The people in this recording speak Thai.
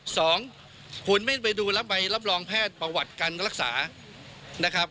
สองคุณไม่ไปดูรับใบรับรองแพทย์ประวัติการรักษานะครับ